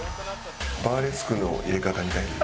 バーレスクの入れ方みたいや。